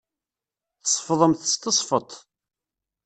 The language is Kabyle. Tsefḍemt s tesfeḍt.